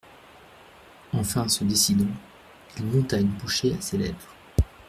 Enfin se décidant, il monta une bouchée à ses lèvres.